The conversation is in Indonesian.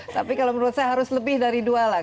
tapi kalau menurut saya harus lebih dari dua lah